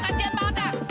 kasian banget pak